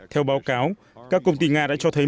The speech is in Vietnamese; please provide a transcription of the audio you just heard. theo báo cáo các công ty nga đã cho thấy